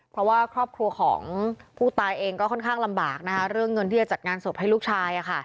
เพราะว่าครอบครัวของผู้ตายเองก็ค่อนข้างลำบากนะคะเรื่องเงินที่จะจัดงานศพให้ลูกชาย